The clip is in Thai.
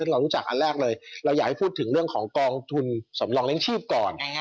เราอยากที่มาพูดเลยถึงเรื่องของกองทุนสำรองเรียนชีพก่อน